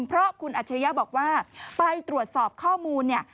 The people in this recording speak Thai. เพราะคุณอาจยาบอกว่าไปตรวจสอบข้อมูล